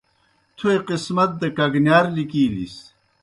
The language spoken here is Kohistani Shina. تھوئے قِسمت دہ کگنِیار لِکِیلِس۔